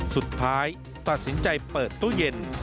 สุดท้ายตัดสินใจเปิดตู้เย็น